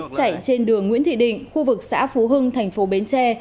chạy trên đường nguyễn thị định khu vực xã phú hưng thành phố bến tre